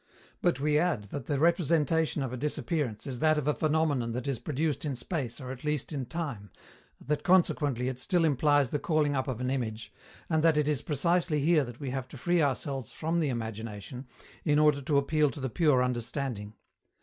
But we add that the representation of a disappearance is that of a phenomenon that is produced in space or at least in time, that consequently it still implies the calling up of an image, and that it is precisely here that we have to free ourselves from the imagination in order to appeal to the pure understanding.